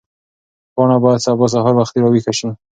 پاڼه باید سبا سهار وختي راویښه شي.